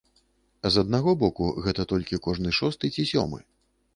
З аднаго боку, гэта толькі кожны шосты ці сёмы.